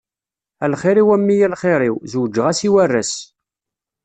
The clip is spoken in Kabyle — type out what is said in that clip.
A lxir-iw a mmi a lxir-iw, zewǧeɣ-as i waras.